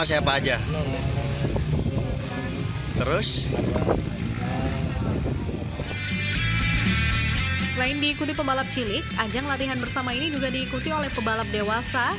selain diikuti pembalap cilik ajang latihan bersama ini juga diikuti oleh pebalap dewasa